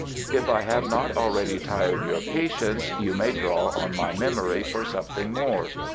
If I have not already tired your patience you may draw on my memory for something more.